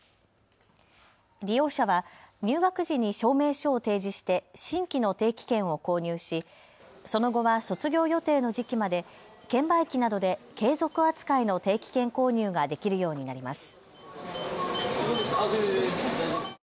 利用者は入学時に証明書を提示して新規の定期券を購入しその後は卒業予定の時期まで券売機などで継続扱いの定期券購入ができるようになります。